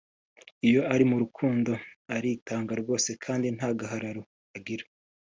iyo ari mu rukundo aritanga rwose kandi ntagahararo agira